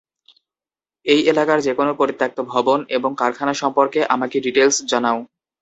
এই এলাকার যে কোনো পরিত্যক্ত ভবন এবং কারখানা সম্পর্কে আমাকে ডিটেইলস জানাও।